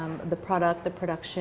memahami produk produksi